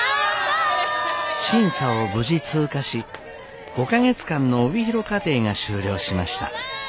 審査を無事通過し５か月間の帯広課程が終了しました。